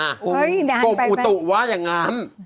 เฮ้ยนานไปแม่งโกมพุโตว่าอย่างนั้น